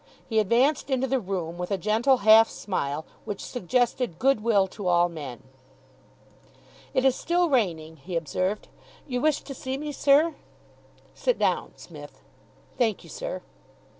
He advanced into the room with a gentle half smile which suggested good will to all men. "It is still raining," he observed. "You wished to see me, sir?" "Sit down, Smith." "Thank you, sir."